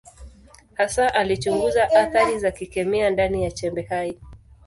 Hasa alichunguza athari za kikemia ndani ya chembe hai.